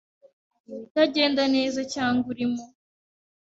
ibitagenda neza cyangwa uri mu